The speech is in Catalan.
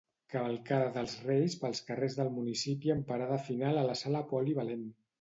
Cavalcada dels reis pels carrers del municipi amb parada final a la Sala Polivalent.